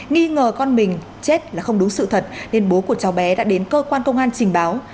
nghĩ ngờ con mình chết là không đúng sự thật nên bố của cháu bé đã đến cơ quan công an trình báo